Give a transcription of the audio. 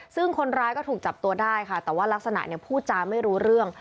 ซึ่งคนร้ายก็ถูกจับตัวได้ค่ะแต่ว่ารักษณะเนี่ยพูดจาไม่รู้เรื่อง